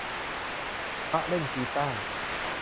พระเล่นกีตาร์